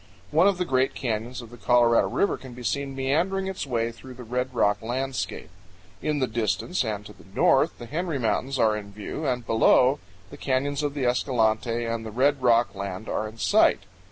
One of the great canyons of the Colorado River can be seen meandering its way through the red rock landscape. In the distance, and to the north, the Henry Mountains are in view, and below, the canyons of the Escalante and the red rock land are in sight.